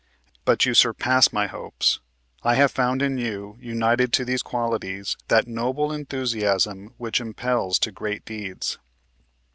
But you surpass my hopes. I have found in you, united to these qualities, that noble enthusiasm which impels to great deeds.